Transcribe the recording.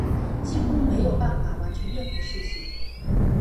几乎没有办法完成任何事情